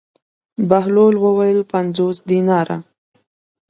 بهلول وویل: پنځوس دیناره.